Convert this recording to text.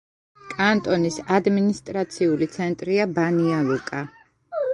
კანტონის ადმინისტრაციული ცენტრია ბანია-ლუკა.